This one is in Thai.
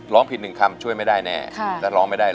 ร้องผิดหนึ่งคำช่วยไม่ได้แน่ถ้าร้องไม่ได้